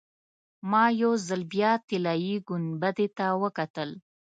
ما یو ځل بیا طلایي ګنبدې ته وکتل.